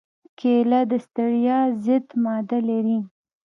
کېله د ستړیا ضد ماده لري.